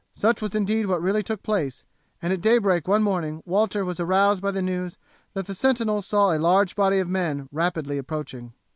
Such was indeed what really took place, and at daybreak one morning Walter was aroused by the news that the sentinels saw a large body of men rapidly approaching.